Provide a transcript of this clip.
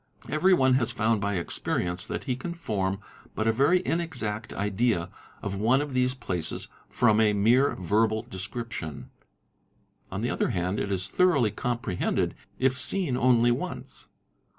Every one has found by experience that he can form but a very inexact idea of one of these places from a mere verbal description ; on the other hand it is thoroughly compre hended if seen only once.